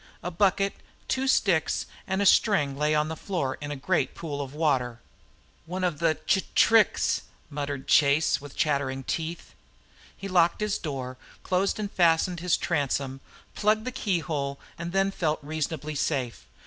A bucket, two sticks, and a string lay on the floor in a great pool of water. "One of the t tricks," muttered Chase, with chattering teeth. He locked his door, closed and fastened his transom, plugged the keyhole and then felt reasonably safe.